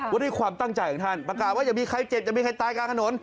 ว่าด้วยความตั้งใจของท่านประกาศว่าอย่ามีใครเจ็บอย่ามีใครตายกลางถนน